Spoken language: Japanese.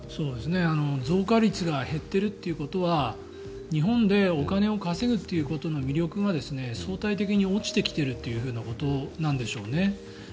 増加率が減っているということは日本でお金を稼ぐことの魅力が相対的に落ちてきているということなんでしょうね。